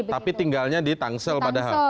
tapi tinggalnya di tangsel padahal